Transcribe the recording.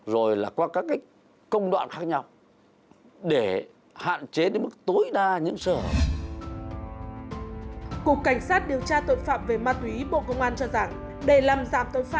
rồi là qua các công đoạn khác nhau để hạn chế đến mức tối đa những sở hợp